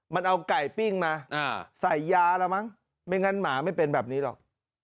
มันเอาไก่ปิ้งมาใส่ยาแล้วมั้งไม่งั้นหมาไม่เป็นแบบนี้หรอก